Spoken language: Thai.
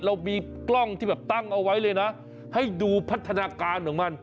เรามีกล้องที่แบบตั้งเอาไว้เลยนะให้ดูพัฒนาการของมัน